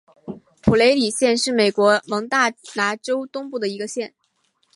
普雷里县是美国蒙大拿州东部的一个县。